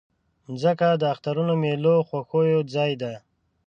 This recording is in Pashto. مځکه د اخترونو، میلو، خوښیو ځای ده.